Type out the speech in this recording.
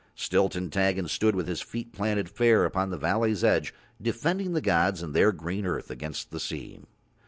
Still Tintaggon stood with his feet planted fair upon the valley's edge defending the gods and Their green earth against the sea.